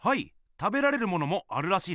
食べられるものもあるらしいっすよ。